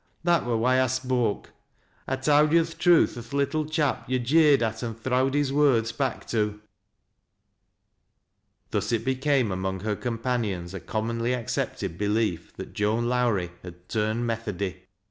That wur why I spoke. I ha' towd yo' th' truth o' th' little chap yo' jeered at an' throw'd his words back to." Thus it became among her companions a commonly accepted belief that Joan Lowrie had turned " Methody."